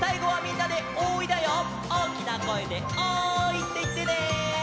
おおきなこえで「おーい」っていってね。